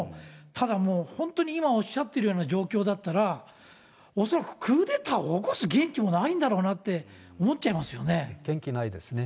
ただもう、本当に今おっしゃっているような状況だったら、恐らくクーデターを起こす元気もないんだろうなって思っちゃいま元気ないですね。